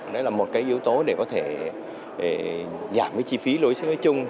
đó là một yếu tố để có thể giảm chi phí lối xứ nói chung